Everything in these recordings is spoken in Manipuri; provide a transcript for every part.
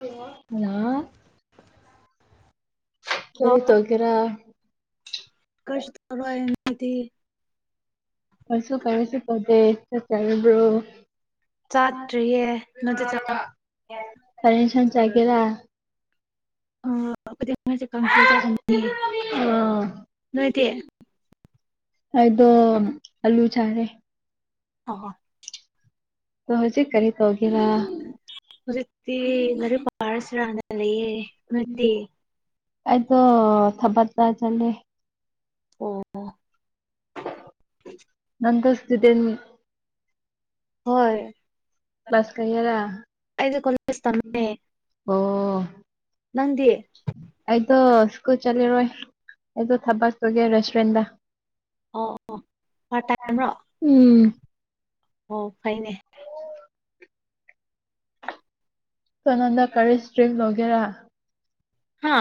[unintelligible] ꯍꯜꯂꯣ ꯀꯔꯤ ꯇꯧꯒꯦꯔ ꯀꯁ ꯇꯧꯗꯤꯤ ꯀꯁꯨ ꯀꯔꯤꯁꯨ ꯇꯗꯦ ꯆ ꯆꯕ꯭ꯔꯣ ꯆꯥꯠꯇ꯭ꯔꯤꯌꯦ ꯅꯗꯤ ꯆ ꯇꯔꯦꯟꯁꯟ ꯆꯥꯒꯦꯔ ꯑꯣꯗꯤ ꯅꯣꯏꯗꯤ ꯑꯣ ꯑꯗꯣ ꯑꯜꯂꯨ ꯆꯥꯔꯦ [unintelligible] ꯇ ꯍꯧꯖꯤꯛ ꯀꯔꯤ ꯇꯒꯦꯔ ꯎꯖꯤꯛꯇꯤ ꯃꯔꯔ ꯄꯥꯔꯁꯨꯔꯅ ꯂꯩꯦ ꯎꯠꯇꯤ ꯑꯩꯗꯣ ꯊꯕꯛꯇ ꯆꯠꯂꯦ ꯑꯣ ꯑ ꯍꯣꯏ ꯀ꯭ꯂꯥꯁ ꯀꯔꯤꯔ ꯑꯩꯗ ꯀꯂꯁ ꯇꯝꯃꯦ ꯑꯣ ꯅꯗꯤ ꯑꯩꯗꯣ ꯁ꯭ꯀꯨꯜ ꯆꯠꯂꯔꯣꯏ ꯑꯩꯗꯣ ꯊꯕꯛ ꯆꯒꯦ ꯔꯦꯁꯇꯨꯔꯦꯟꯗ ꯑꯣ ꯑꯣ ꯄꯥꯔꯠ ꯇꯥꯏꯝꯔꯣ ꯎꯝ ꯑꯣ ꯐꯩꯅꯦ ꯁꯣ ꯅꯥꯟꯗ ꯀꯔꯤ ꯁꯇꯔꯤꯝ ꯂꯧꯒꯦꯔ ꯍꯥ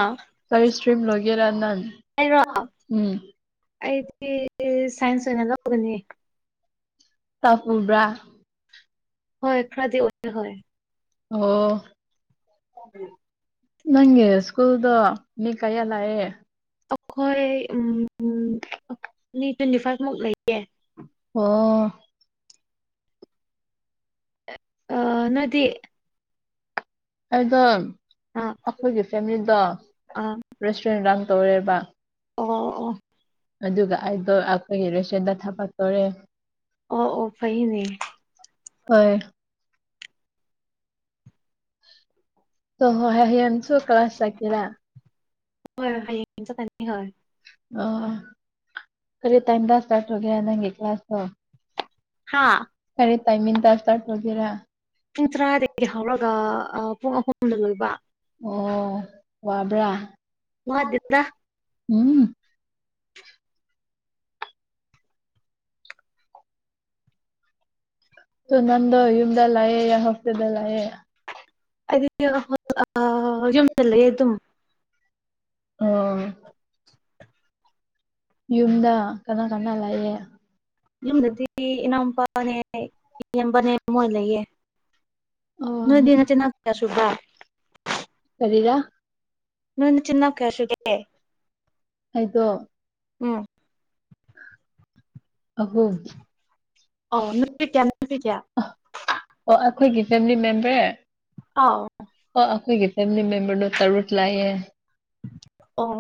ꯀꯔꯤ ꯁꯇ꯭ꯔꯤꯝ ꯂꯒꯦꯔꯥ ꯅꯅꯥ ꯍꯥꯏꯔꯣ ꯑꯩꯗꯤ ꯁꯥꯏꯟꯁ ꯑꯣꯏꯅ ꯂꯧꯒꯅꯤ ꯆꯥꯛ ꯄꯨꯕ꯭ꯔꯥ ꯍꯣꯏ ꯈꯔꯗꯤ ꯍꯣꯏ ꯑꯣ ꯅꯪꯒꯤ ꯏꯁꯀꯨꯜꯗ ꯃꯤ ꯀꯩꯂꯑ ꯑꯩꯈꯣꯏ ꯎꯝ ꯃꯤ ꯇ꯭ꯋꯦꯟꯇꯤ ꯐꯥꯏꯚ ꯃꯨꯛ ꯂꯩꯌꯦ ꯑꯣ ꯑ ꯅꯗꯤ ꯑꯩꯗꯣ ꯑꯥ ꯑꯩꯈꯣꯏꯒꯤ ꯐꯦꯃꯤꯂꯤꯗꯣ ꯑꯥ ꯔꯦꯁꯇꯨꯔꯦꯟ ꯔ ꯇꯧꯔꯦꯕ [unintelligible] ꯑꯗꯨꯒ ꯑꯩꯗꯣ ꯑꯈꯣꯏꯒꯤ ꯔꯦꯏꯇꯨꯔꯦꯟꯗ ꯊꯕꯛ ꯇꯧꯔꯦ ꯑꯣ ꯑꯣ ꯐꯅꯦ [unintelligible] [unintelligible] ꯍꯣꯏ ꯍꯥꯏꯌꯦꯡꯁꯨ ꯀ꯭ꯂꯥꯁ ꯆꯠꯀꯦꯔ [unintelligible] ꯑ ꯀꯔꯤ ꯇꯥꯏꯝꯗ ꯏꯁꯇꯥꯔꯠ ꯇꯩꯒꯦ ꯅꯪꯒꯤ ꯀ꯭ꯂꯥꯁ ꯍꯥꯥ ꯈꯔꯦ ꯇꯥꯏꯃꯤꯡꯗ ꯁꯇꯥꯔꯠ ꯑꯣꯏꯒꯦꯔꯥ ꯄꯨꯡ ꯇꯔꯥꯗꯒꯤ ꯍꯧꯔꯒ ꯄꯨꯡ ꯑꯍꯨꯝꯗ ꯂꯣꯏꯕ ꯑꯣ ꯋꯥꯕ꯭ꯔꯥ ꯋꯥꯗꯦꯗ ꯎꯝ ꯁꯨꯅꯟ ꯗ ꯌꯨꯝꯗ ꯂꯑꯦ ꯌꯥ ꯍꯞꯇꯗ ꯂꯑꯦ [unintelligible] ꯌꯨꯝꯗ ꯂꯩ ꯑꯗꯨꯝ [unintelligible] ꯌꯨꯝꯗ ꯀꯅꯥ ꯀꯅꯥ ꯂꯥꯛꯑꯦ ꯌꯨꯝꯗꯗꯤ ꯏꯅꯥꯎꯄꯥꯅꯦ ꯏꯕꯅꯦ ꯃꯣꯏ ꯂꯩꯌꯦ ꯑꯣ ꯅꯣꯏꯗꯤ ꯅꯆꯤꯟꯅꯥꯎ ꯀꯌꯥ ꯁꯨꯕ꯭ꯔꯥ ꯀꯔꯤꯔꯥ ꯅꯣꯏꯅ ꯆꯤꯟꯟꯅꯈꯦꯌꯥꯁꯤꯦ ꯍꯥꯏꯗꯣ ꯎꯝ ꯑꯍꯣ ꯑꯣ [unintelligible] ꯑꯣ ꯑꯩꯈꯣꯏꯒꯤ ꯐꯦꯃꯤꯂꯤ ꯃꯦꯝꯕꯔ ꯑꯥꯎ ꯑꯣ ꯑꯩꯈꯣꯏꯒꯤ ꯐꯦꯃꯤꯂꯤ ꯃꯦꯝꯕꯔ ꯅꯣ ꯇꯔꯨꯠ ꯂꯥꯛꯑꯌꯦ ꯑꯣ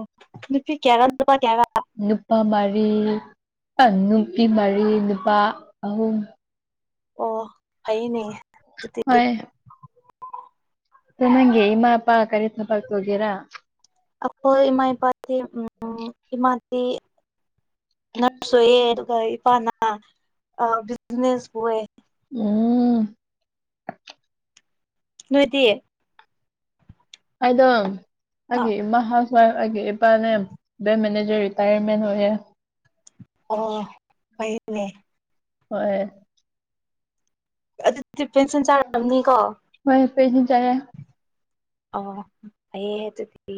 ꯅꯨꯄꯤ ꯀꯦꯔꯝ ꯅꯄꯥ ꯀꯦꯔꯥ ꯅꯨꯄꯥ ꯃꯔꯤ ꯅꯨꯄꯤ ꯃꯔꯤ ꯅꯨꯄꯥ ꯑꯍꯨꯝ ꯑꯣ ꯐꯩꯅꯦ ꯑꯗꯨꯗꯤ ꯅꯪꯦ ꯏꯃ ꯍꯥꯄꯥ ꯀꯔꯤꯁꯅꯄ ꯍꯒꯦꯔꯥ ꯑꯩꯈꯣꯏ ꯏꯃꯥ ꯏꯄꯥꯇ ꯎꯝ ꯏꯃꯥꯗꯤ ꯅꯔꯁꯌꯦ ꯑꯗꯨꯒ ꯏꯄꯥꯅꯥ ꯕꯤꯖꯤꯅꯦꯁꯕꯨꯋꯦ ꯎꯝ ꯅꯣꯏꯗꯤ ꯑꯩꯗꯣ ꯑꯥ ꯑꯩꯒꯤ ꯏꯃꯥꯍꯜꯈ‌ꯣꯏ ꯑꯩꯒꯤ ꯏꯄꯥꯅꯦ ꯕ‌ꯦꯡ ꯃꯦꯅꯦꯖꯔ [unintelligible] ꯑꯣꯏꯌ‌ꯦ ꯑꯣ ꯐꯩꯌ‌‌ꯦꯅꯦ ꯍꯣꯏ ꯑꯗꯨꯗꯤ ꯄꯦꯟꯁꯤꯟ ꯆꯥꯔꯕꯅꯤꯀꯣ ꯍꯣꯏ ꯄꯦꯟꯁꯤꯟ ꯆꯥꯏꯌꯦ ꯑꯣ ꯐꯩꯌꯦ ꯑꯗꯨꯗꯤ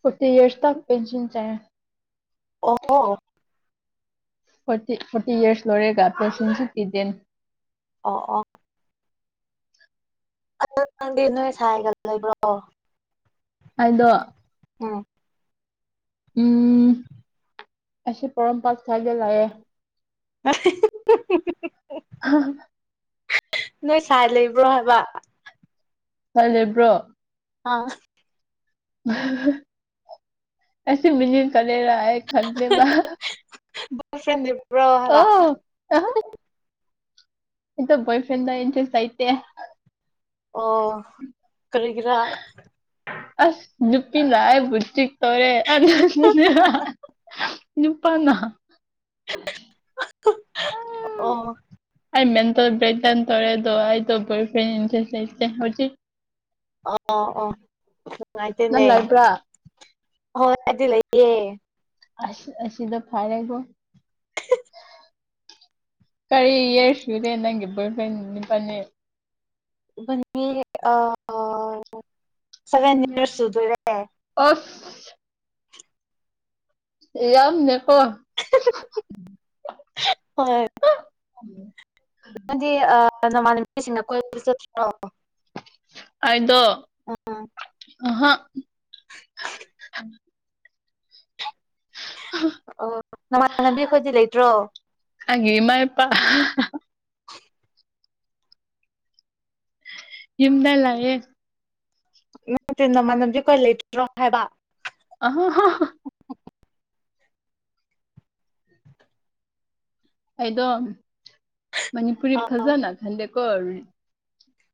ꯐꯣꯔꯇꯤ ꯏꯔꯁ ꯇ ꯄꯦꯟꯁꯤꯟ ꯆꯥꯏꯌ‌ꯦ ꯑꯣ ꯍꯣ ꯐꯣꯔꯇꯤ ꯐꯣꯔꯇꯤ ꯏꯔꯁ ꯂꯣꯏꯔꯒ ꯄꯦꯟꯁꯤꯟꯁꯨ ꯄꯤꯗꯦꯟ ꯑꯣ ꯑꯣ ꯑꯗꯨ ꯅꯪꯗꯤ ꯅꯣꯏ ꯁꯥꯏꯒ ꯂꯩꯕ꯭ꯔꯣ ꯑꯩꯗꯣ ꯎꯝ ꯎꯝ ꯑꯩꯁꯤ ꯄ‌ꯣꯔ‌ꯣꯝꯄꯥꯠ ꯁ꯭ꯋꯥꯏꯗ ꯂꯩꯌꯦ ꯅꯣꯏ ꯁꯥꯏ ꯂꯩꯕ꯭ꯔꯣ ꯍꯥꯏꯕ [unintelligible] ꯆꯠꯂꯤꯕ꯭ꯔꯣ ꯑꯥ [unintelligible] ꯑꯦꯁ ꯃꯤꯅꯤ ꯀꯔ‌ꯦꯔꯥ ꯑꯩ ꯈꯟꯗ‌ꯦꯕꯥ ꯁ‌ꯦꯝꯗ꯭ꯔꯤꯕ꯭ꯔꯣ ꯍꯥꯏꯕ ꯑꯩꯗ‌ꯣ ꯕ‌ꯣꯏ ꯐ꯭ꯔꯦꯟꯗ ꯏꯟꯇ꯭ꯔꯦꯁ ꯂꯩꯇ‌ꯦ ꯑꯣ ꯀꯔꯤꯒꯤꯔꯥ ꯑꯁ ꯅꯨꯄꯤ ꯂꯥꯛꯑꯦ [unintelligible] ꯇꯧꯔꯦ ꯑꯗꯨꯗꯨꯅ ꯅꯨꯄꯥꯥꯅ ꯑꯣ ꯑꯩ ꯃꯦꯟꯇꯜ ꯕꯔꯦꯛꯗꯥꯎꯟ ꯇꯧꯔꯦ ꯑꯗ‌ꯣ ꯑꯩꯗ‌ꯣ ꯕ‌ꯣꯏ ꯐ꯭ꯔ‌ꯦꯟ ꯏꯟꯇꯔꯦꯁ ꯂꯩꯇ‌ꯩ ꯍꯨꯖꯤꯛ ꯑꯣ ꯑꯣ ꯅꯨꯡꯉꯥꯏꯇ‌ꯦꯅꯦ ꯅꯪ ꯂꯩꯕ꯭ꯔꯥ ꯑꯩꯗꯤ ꯂꯩꯌꯦ ꯑꯁ ꯑꯁꯤꯗ ꯐꯥꯔꯦꯒꯣ ꯀꯔꯤ ꯏꯌꯥꯔꯁ ꯁꯨꯔꯦ ꯅꯪꯒꯤ ꯕ‌ꯣꯏꯐ꯭ꯔ‌ꯦꯟ ꯅꯕꯅꯤ ꯏꯕꯥꯅꯤ [unintelligible] ꯁꯚꯦꯟ ꯌꯔꯁ [unintelligible] ꯁꯨꯗꯣꯏꯔꯦ ꯑꯁ ꯌꯥꯝꯅ‌ꯦꯀꯣ [unintelligible] ꯅꯗꯤ ꯅꯃꯥꯟꯅꯕꯤꯁꯤꯡꯅ ꯀ‌ꯣꯏꯕ ꯆꯠꯇ꯭ꯔꯣ ꯑꯩꯗꯣ ꯑꯍꯥ ꯑꯣ ꯅꯃꯥꯟꯅꯕꯤꯈꯣꯏꯗꯤ ꯂꯩꯇ꯭ꯔꯣ ꯑꯩꯒꯤ ꯃꯥꯏ ꯄꯥ ꯌꯨꯝꯗ ꯂꯩꯌ‌ꯦ ꯅꯠꯇ‌ꯦ ꯅꯃꯥꯟꯅꯕꯤ ꯈ‌ꯣꯏ ꯂꯩꯇ꯭ꯔꯣ ꯍꯥꯏꯕ [unintelligible] ꯑꯩꯗꯣ ꯃꯅꯤꯄꯨꯔꯤ ꯐꯖꯅ ꯈꯟꯗꯦꯀꯣ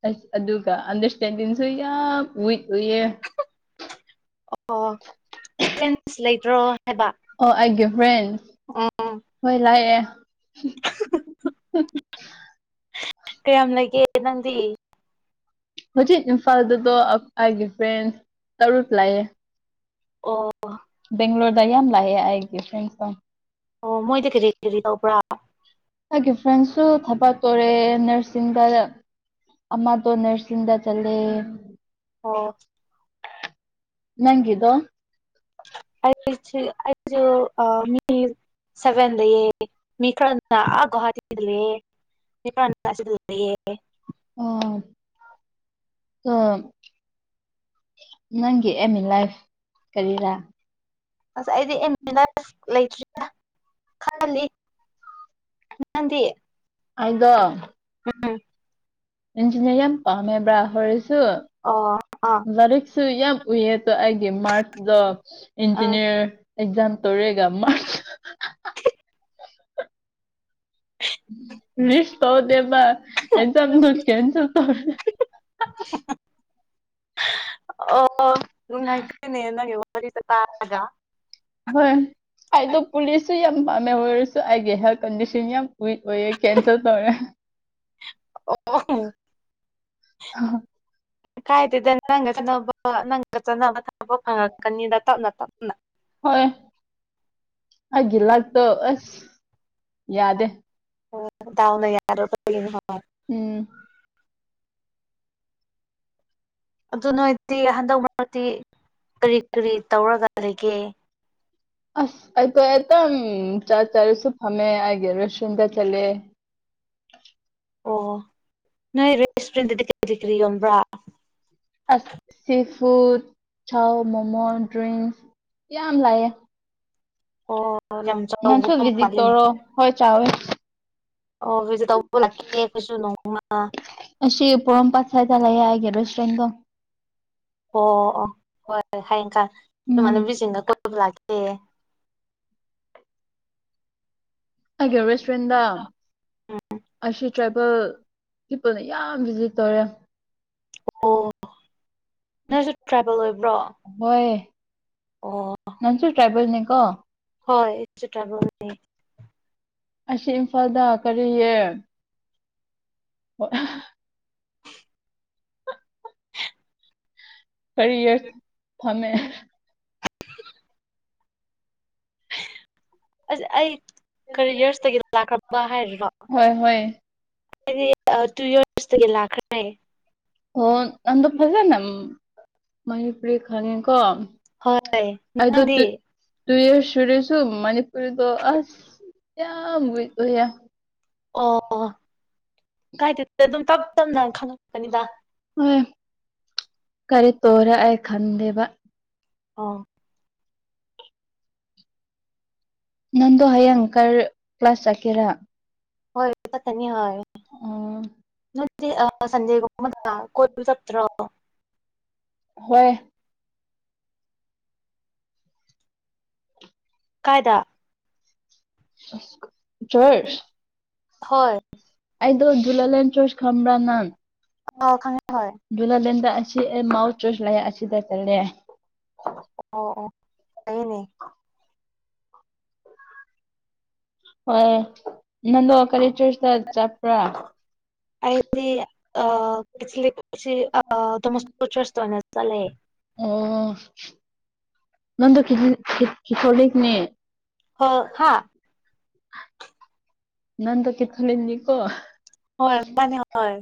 ꯑꯁ ꯑꯗꯨꯒ ꯑꯟꯗꯔꯁꯇꯦꯟꯗꯤꯡꯁꯨ ꯌꯥꯝ ꯋꯤꯛ ꯑꯣꯏꯌꯦ ꯑꯣ ꯐ꯭ꯔ‌ꯦꯟꯁ ꯂꯩꯇ꯭ꯔꯣ ꯍꯥꯏꯕ ꯑꯣ ꯑꯩꯒꯤ ꯐ꯭ꯔꯦꯟꯁ ꯎꯝ ꯍꯣꯏ ꯂꯥꯏꯑꯦ ꯀꯌꯥꯝ ꯂꯩꯒꯦ ꯅꯪꯗꯤ ꯍꯧꯖꯤꯛ ꯏꯝꯐꯥꯜꯗꯗꯣ ꯑꯩꯒꯤ ꯐ꯭ꯔꯦꯟꯁ ꯇꯔꯨꯛ ꯂꯩꯑꯦ ꯑꯣ ꯕꯦꯡꯒ꯭ꯂꯣꯔꯗ ꯌꯥꯝ ꯂꯩꯑꯦ ꯑꯩꯒꯤ ꯐ꯭ꯔꯦꯟꯁꯤꯡ ꯑꯣ ꯃꯣꯏꯗꯤ ꯀꯔꯤ ꯀꯔꯤ ꯇꯧꯕ꯭ꯔꯥ ꯑꯩꯒꯤ ꯐ꯭ꯔꯦꯟꯁꯨ ꯊꯕꯛ ꯇꯧꯔꯦ ꯅꯔꯁꯤꯡꯗ ꯈꯠꯅꯗꯦ ꯅꯔꯁꯤꯡꯗ ꯆꯠꯂꯦ ꯑꯣ ꯅꯪꯒꯗꯨꯣ ꯑꯩꯁꯨ ꯑꯩꯁꯨ ꯑ ꯃꯤ ꯁꯕꯦꯟ ꯂꯩꯌꯦ ꯃꯤ ꯈꯔꯅ ꯑꯥ ꯒꯨꯋꯥꯇꯤꯗ ꯂꯩꯌꯦ [unintelligible] [unintelligible] ꯅꯪꯒꯤ ꯑꯦꯃꯤ ꯑꯦꯜ ꯂꯥꯏꯐ ꯀꯔꯤꯔꯥ ꯑꯁ ꯑꯩꯗꯤ ꯑ ꯂꯩꯇ꯭ꯔꯤꯦ ꯈꯜꯂꯤ ꯅꯪꯗꯤ ꯍꯥꯏꯗꯣ ꯎꯝ ꯏꯟꯖꯤꯅꯤꯔ ꯌꯥꯝ ꯄꯥꯝꯃꯦꯕ꯭ꯔꯥ ꯍꯣꯔꯁ ꯑꯣ ꯑꯥ ꯂꯔꯤꯛꯁꯨ ꯌꯥꯝ ꯎꯏꯌꯦ ꯑꯩꯒꯤꯦ ꯃꯥꯔꯆꯗ ꯑꯥ ꯏꯟꯖꯤꯅꯤꯌꯔ ꯑꯦꯛꯖꯝ ꯇꯧꯔꯦꯒ ꯃꯥꯔ ꯔꯤꯁ ꯇꯧꯗꯦꯃ ꯑꯦꯖꯝ ꯅ ꯀꯦꯟꯁꯜ ꯇꯧꯔ ꯑꯣ [unintelligible] [unintelligible] ꯑꯩꯗꯣ ꯄꯨꯂꯤꯁꯁꯨ ꯌꯥꯝ ꯄꯥꯝꯃꯦ ꯑꯣꯏꯔꯁꯨ ꯑꯩꯒꯤ ꯍꯦꯜ ꯀꯟꯗꯤꯁꯟ ꯌꯥꯝ ꯋꯤꯛ ꯑꯣꯏꯌꯦ ꯀꯦꯟꯁꯦꯜ ꯇꯧꯔꯦ [unintelligible] ꯀꯥꯏꯗꯦꯗ ꯅꯪꯒ ꯈꯠꯅꯕ ꯅꯪꯒ ꯆꯠꯅꯕ ꯊꯥꯕ ꯐꯪꯉꯛꯀꯅꯤꯗ ꯇꯞꯅ ꯇꯞꯅ ꯍꯣꯏ ꯑꯩꯒꯤ ꯂꯛꯇꯣ ꯑꯁ ꯌꯥꯗꯦ ꯍ ꯊꯗꯥꯎꯅ ꯌꯥꯔꯅ ꯍ ꯎꯝ ꯑꯗꯨ ꯅꯣꯏꯗꯤ ꯍꯟꯗꯛ ꯃꯔꯤ ꯀꯔꯤ ꯀꯔꯤ ꯇꯧꯔꯒ ꯂꯩꯒꯦ ꯑꯁ ꯑꯩꯗꯣ ꯑꯦꯛꯇꯝ ꯆꯥ ꯆꯥꯔꯨꯁꯨ ꯐꯝꯃꯦ ꯑꯩ ꯒ꯭ꯔꯦꯖꯨꯑꯦꯁꯟꯗ ꯆꯠꯂꯦ ꯑꯣ ꯅꯣꯏ ꯔꯦꯁꯇꯨꯔꯦꯟꯗꯗꯤ ꯀꯔꯤ ꯀꯔꯤ ꯀꯔꯤ ꯌꯣꯟꯕ꯭ꯔꯥ ꯑꯁ ꯁꯤ ꯐꯨꯗ ꯊꯥꯎ ꯃꯣꯃꯣ ꯗ꯭ꯔꯤꯡꯁ ꯌꯥꯝ ꯂꯥꯛꯑꯦ ꯑꯣ ꯅꯪꯁꯨ ꯌꯥꯝꯒꯨꯄ ꯚꯤꯖꯤꯠ ꯃꯥꯅꯤ ꯇꯧꯔꯣ ꯍꯣꯏ ꯆꯥꯎꯋꯦ ꯑꯣ ꯑꯈꯣꯏꯁꯨ ꯇꯧꯕ ꯂꯛꯈꯤꯅꯤ ꯑꯈꯣꯏꯁꯨ ꯅꯣꯡꯃ ꯑꯁꯤ ꯄꯣꯔꯣꯝꯄꯥꯠꯇ ꯑꯁꯥꯢꯗ ꯂꯩꯌꯦ ꯑꯩꯒꯤ ꯔꯦꯁꯇꯣꯔꯦꯟꯗꯣ ꯑꯣ ꯑꯣ ꯍꯣꯏ ꯍꯣꯏ ꯍꯌꯦꯡꯀꯥꯟ ꯎꯝ ꯏꯃꯥꯟꯅꯕꯤꯁꯤꯡꯗ ꯀꯣꯏꯕ ꯂꯥꯛꯀꯦ ꯑꯩꯒꯤ ꯔꯦꯁꯇꯣꯔꯦꯟꯗꯣ ꯎꯝ ꯇ꯭ꯔꯥꯏꯕꯦꯜ ꯄꯤꯄꯜꯅ ꯌꯥꯝ ꯚꯤꯖꯤꯠ ꯇꯧꯔꯦ ꯑꯣ ꯅꯪꯁꯨ ꯇ꯭ꯔꯥꯏꯕꯦꯜ ꯑꯣꯏꯕ꯭ꯔꯣ ꯍꯣꯏ ꯑꯣ ꯅꯪꯁꯨ ꯇ꯭ꯔꯥꯏꯕꯦꯜꯅꯤꯀꯣ ꯍꯣꯏꯆꯅꯤ ꯑꯁꯤ ꯏꯝꯐꯥꯜꯗ ꯀꯔꯤꯌꯦ ꯑꯣ [unintelligible] ꯀꯔꯤꯌꯔ ꯐꯝꯃꯦ ꯑꯁ ꯑꯩ ꯀꯔꯤꯌꯔꯁꯇꯒꯤ [unintelligible] ꯍꯥꯏꯔꯤꯔꯣ ꯍꯣꯏ ꯍꯣꯏ ꯑꯩꯗꯤ ꯑ ꯇꯨꯌꯔꯁꯇꯒꯤ ꯂꯥꯛꯈ꯭ꯔꯦ ꯑꯣ ꯅꯗ ꯐꯖꯅ ꯃꯅꯤꯄꯨꯨꯔꯦ ꯈꯅꯤꯡ ꯀꯣ ꯍꯣꯏ ꯑꯗꯣ ꯅꯪꯗꯤ ꯇ ꯇꯨꯏ ꯁꯨꯔꯁꯨ ꯃꯅꯤꯄꯨꯔꯤꯗꯣ ꯑꯁ ꯌꯥꯝ ꯋꯤꯛ ꯑꯣꯏꯌꯦ ꯑꯣ ꯀꯥꯏꯗ ꯑꯗꯨꯝ ꯇꯞ ꯇꯞꯅ ꯈꯪꯪꯂꯛꯄꯅꯤꯗ 'inaudible' ꯀꯔꯤ ꯇꯣꯔꯦ ꯑꯩ ꯈꯟꯗꯦꯕ ꯑꯥꯎ ꯅꯪꯗꯣ ꯍꯌꯦꯡ ꯀꯔꯤ ꯀ꯭ꯂꯥꯁ ꯆꯠꯀꯦꯔꯥ ꯍꯣꯏ [unintelligible] ꯌꯦꯡꯉꯛꯑꯒꯦ ꯑꯣ ꯅꯠꯇꯦ ꯑ ꯁꯟꯗꯦ ꯒꯨꯝꯕꯗ ꯀꯣꯏꯕ ꯆꯠꯇꯔꯣ꯫ ꯍꯣꯏ ꯀꯥꯏꯗ꯫ ꯆꯔꯁ꯫ ꯍꯣꯏ ꯑꯣ ꯖꯨꯂꯂꯦꯟ ꯆꯣꯏꯁ ꯈꯝꯕ꯭ꯔꯥ ꯅꯪ ꯑ ꯈꯉ ꯍ ꯨꯂꯥ ꯂꯦꯟꯗ ꯑꯁꯤ ꯃꯥꯎ ꯆꯁ ꯂ ꯑꯁꯤꯗ ꯆꯂꯦ ꯑꯣ ꯑꯣ ꯐꯩꯌꯦꯅꯦ ꯍꯣꯏ ꯅꯅꯣ ꯀꯔꯤ ꯆꯔꯁꯇ ꯆꯠꯄ꯭ꯔꯥ꯫ ꯑꯩꯗꯤ ꯑꯁ ꯇꯅꯦ ꯆꯂꯦ ꯑꯣ ꯅꯪꯒ ꯈꯤ ꯈꯤ ꯈꯤꯊꯣꯂꯤꯛꯅꯦ ꯍ ꯍꯥꯥ ꯅꯟ ꯗ ꯀꯤꯠ ꯈꯜꯂꯤꯅꯤꯀꯣ꯫ ꯍꯣꯏ ꯃꯥꯅꯦ ꯍꯣꯏ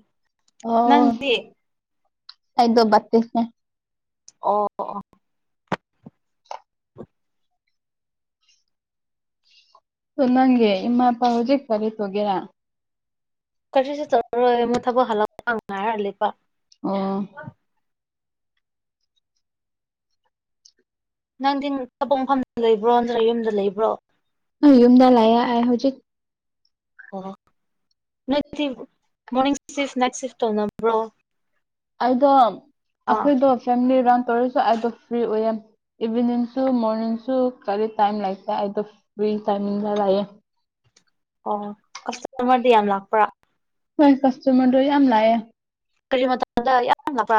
ꯑꯣ ꯅꯪꯗꯤ ꯑꯩꯗꯣ ꯕꯥꯞꯇꯤꯁꯅꯦ꯫ ꯑꯣ ꯑꯣ [unintelligible] ꯅꯪꯒꯤ ꯏꯃꯥ ꯄꯥꯎꯗꯤ ꯀꯔꯤ ꯇꯧꯒꯦꯔꯥ ꯀꯔꯤꯁꯨ ꯇꯧꯔꯔꯣꯏ ꯑꯃꯨꯛ ꯊꯕꯛ ꯍꯜꯂꯛꯄ ꯉꯥꯏꯔ ꯂꯩꯕ ꯑꯣ ꯅꯪꯗꯤ ꯊꯕꯛ ꯃꯐꯝ ꯂꯩꯕ꯭ꯔꯣ ꯅꯠꯇ꯭ꯔ ꯌꯨꯝꯗ ꯂꯩꯕ꯭ꯔꯣ ꯅꯣꯏ ꯌꯨꯝꯗꯥ ꯂꯩꯌꯦ ꯑꯩ ꯍꯧꯖꯤꯛ꯫ ꯑꯣ ꯅꯗꯤ ꯃꯣꯔꯅꯤꯡ ꯁꯤꯐ ꯅꯥꯏꯠ ꯁꯤꯐ ꯇꯧꯅꯕ꯭ꯔꯣ ꯑꯩꯗꯣ ꯑꯥ ꯑꯈꯣꯏꯗꯣ ꯐꯦꯃꯤꯂꯤ ꯔꯟ ꯇꯧꯔꯁꯨ ꯑꯩꯗꯣ ꯐ꯭ꯔꯤ ꯑꯣꯏꯌꯦ ꯏꯕꯤꯅꯤꯡꯁꯨ ꯃꯣꯔꯅꯤꯡꯁꯨ ꯀꯔꯤ ꯇꯥꯏꯝ ꯂꯩꯇꯦ ꯑꯩꯗꯣ ꯐꯔꯤ ꯇꯥꯏꯃꯤꯡꯗ ꯂꯩꯌꯦ ꯑꯣ ꯀꯁꯇꯃꯔꯗꯤ ꯌꯥꯝ ꯂꯥꯛꯄ꯭ꯔꯥ ꯅꯣꯏ ꯀꯁꯇꯃꯔꯗꯣ ꯌꯥꯝ ꯂꯥꯛꯑꯦ ꯀꯔꯤ ꯃꯇꯗ ꯌꯥꯝꯄꯥ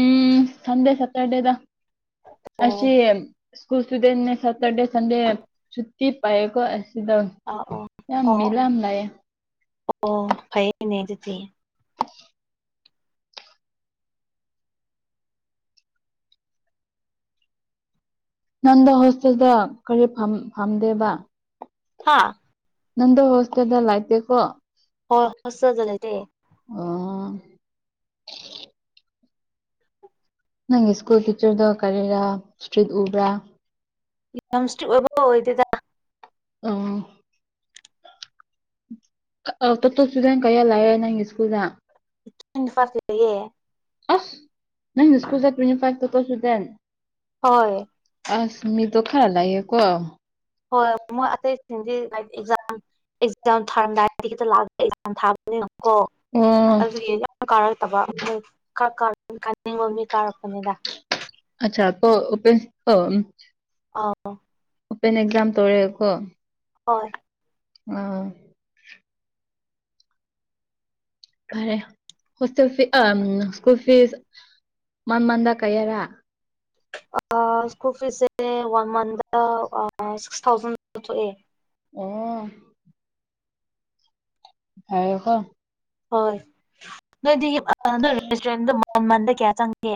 ꯎꯝ ꯁꯟꯗꯦ ꯁꯇꯔꯗꯦꯗ ꯑꯣ ꯑꯁꯦꯝ ꯁꯀꯨꯜ ꯁꯗ ꯁꯦꯇꯔꯗꯦ ꯁꯟꯗꯦ ꯁꯨꯇꯇ ꯄ ꯁꯤꯗ ꯑ ꯑꯣ ꯑꯣ ꯑꯣ ꯑꯣ ꯐꯩꯅꯦ ꯑꯗꯨꯗꯤ ꯅꯪꯗꯣ ꯍꯣꯁꯇꯦꯜꯗ ꯀꯔꯤ ꯐꯝ ꯐꯝꯗꯦꯕꯥ ꯍꯥꯥ ꯅꯡꯗꯣ ꯍꯣꯁꯇꯦꯜꯗ ꯂꯥꯏꯇꯦꯀꯣ ꯍꯣꯏ ꯍꯁꯖꯂꯦꯗ [unintelligible] ꯅꯪ ꯏꯁ꯭ꯀꯨꯜ ꯇꯤꯆꯔꯗꯣ ꯀꯔꯤꯔ ꯏꯁꯇ꯭ꯔꯤꯠ ꯎꯕ꯭ꯔꯥ ꯌꯥꯝ ꯁꯇꯔꯤꯛ ꯑꯣꯏꯕ ꯑꯣꯏꯗꯦꯗꯥ꯫ ꯑꯣ ꯇꯣ ꯁꯨꯗꯦꯟ ꯀꯌꯥ ꯂꯥꯛꯦ ꯅꯪ ꯁ꯭ꯀꯨꯜꯗ [unintelligible] ꯑꯁ ꯅꯪ ꯁꯀꯨꯜ ꯆꯠꯄꯅꯤ 'inaudible'꯫ ꯍꯣꯏ ꯑꯁꯃꯤꯗꯣ ꯈꯥꯔ ꯂꯦꯀꯣ ꯍꯣꯏ ꯍꯣꯏ ꯃꯣꯏ ꯑꯇꯩꯁꯤꯡꯗꯤ ꯑꯦꯛꯖꯥꯝ ꯑꯦꯛꯖꯥꯝ ꯊꯥꯔꯝꯗꯥꯏꯗꯤ ꯈꯤꯇ ꯂꯥꯛꯑ 'inaudible' ꯊꯥꯕꯅꯦ ꯀꯣ ꯑꯗꯨꯒꯤ꯫ ꯀꯥꯔꯛꯇꯕ ꯎꯝ ꯀꯥ ꯀꯥꯟ ꯀꯥꯅꯤꯡꯕ ꯃꯤ ꯀꯥꯔꯛꯄꯅꯤꯗ꯫ 'inaudible' ꯑꯧ ꯑꯣꯄꯦꯟ ꯑꯦꯛꯖꯥꯝ ꯇꯧꯋꯦꯀꯣ ꯑꯣꯏ ꯑꯥ ꯈꯔꯦ ꯍꯣꯁꯇꯦꯜ ꯐꯤ ꯑ ꯁ꯭ꯀꯨꯜ ꯐꯤꯁ ꯃꯟ ꯃꯟꯗ ꯀꯩꯔ ꯑ ꯁ꯭ꯀꯨꯜ ꯐꯤꯁꯦ ꯋꯥꯟ ꯃꯟꯗꯥ ꯑ ꯁꯤꯛꯁ ꯊꯥꯎꯖꯟ ꯊꯣꯛꯑꯦ ꯑꯣ ꯍꯥꯏꯎꯨꯀꯣ꯫ ꯍꯣꯏ ꯅꯣꯏꯗꯤ ꯑ ꯅꯣꯏ ꯔꯦꯁꯇꯨꯔꯦꯟꯗ ꯃꯟ ꯃꯟꯗ ꯀꯌꯥ ꯆꯪꯒꯦ